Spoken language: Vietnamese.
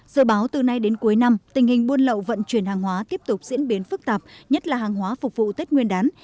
dự báo từ nay đến cuối năm tình hình buôn lậu vận chuyển hàng hóa tiếp tục diễn biến phức tạp nhất là hàng hóa phục vụ tết nguyên đán